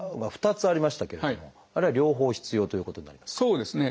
そうですね。